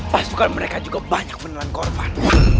pasukan mereka juga banyak menelan korban